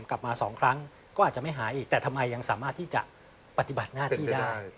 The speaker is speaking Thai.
กลับมา๒ครั้งก็อาจจะไม่หายอีกแต่ทำไมยังสามารถที่จะปฏิบัติหน้าที่ได้